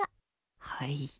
はい。